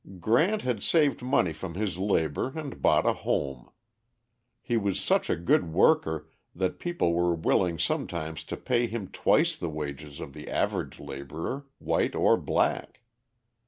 Grant had saved money from his labour and bought a home. He was such a good worker that people were willing sometimes to pay him twice the wages of the average labourer, white or black.